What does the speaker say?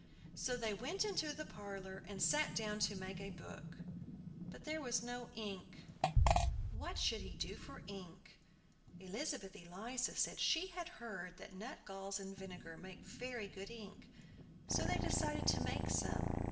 So they went into the parlor, and sat down to make a book. But there was no ink. What should he do for ink? Elizabeth Eliza said she had heard that nutgalls and vinegar made very good ink. So they decided to make some.